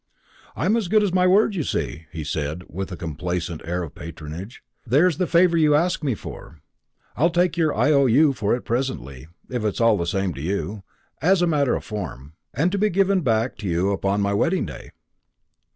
"I'm as good as my word, you see," he said with a complacent air of patronage. "There's the favour you asked me for; I'll take your IOU for it presently, if it's all the same to you as a matter of form and to be given back to you upon my wedding day."